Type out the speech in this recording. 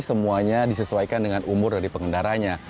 semuanya disesuaikan dengan umur dari pengendaranya